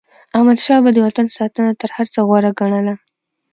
احمدشاه بابا به د وطن ساتنه تر هر څه غوره ګڼله.